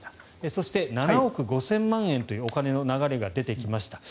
そして、７億５０００万円というお金の流れが出てきました。